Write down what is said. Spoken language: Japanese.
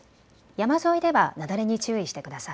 山沿いでは雪崩に注意してください。